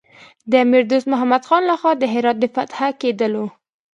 د امیر دوست محمد خان له خوا د هرات د فتح کېدلو.